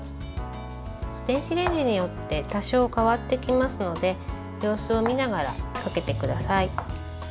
電子レンジによって多少、変わってきますので様子を見ながらかけてください。